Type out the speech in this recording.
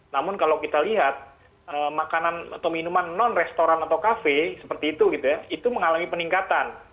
namun kalau kita lihat makanan atau minuman non restoran atau kafe seperti itu gitu ya itu mengalami peningkatan